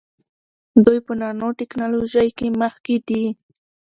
دوی په نانو ټیکنالوژۍ کې مخکې دي.